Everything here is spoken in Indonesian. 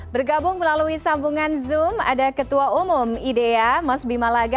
bergabung melalui sambungan zoom ada ketua umum idea mas bima laga